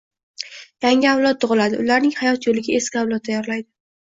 Yangi avlod tug‘iladi, ularni hayot yo‘liga eski avlod tayyorlaydi